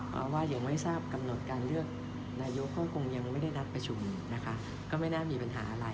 เอาว่ายังไม่ทราบกำหนดการเลือกนายกก็คงยังไม่ได้นัดประชุมนะคะก็ไม่น่ามีปัญหาอะไร